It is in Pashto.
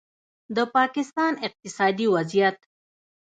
د پاکستان اقتصادي وضعیت